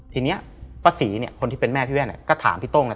ทีนี้ป้าศรีเนี่ยคนที่เป็นแม่พี่แว่นก็ถามพี่โต้งนะ